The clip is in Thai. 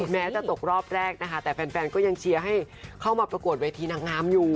แม้จะตกรอบแรกนะคะแต่แฟนก็ยังเชียร์ให้เข้ามาประกวดเวทีนางงามอยู่